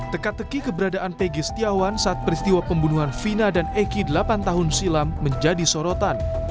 teka teki keberadaan pg setiawan saat peristiwa pembunuhan vina dan eki delapan tahun silam menjadi sorotan